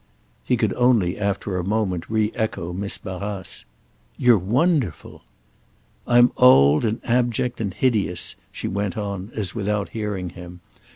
He could only after a moment re echo Miss Barrace. "You're wonderful!" "I'm old and abject and hideous"—she went on as without hearing him.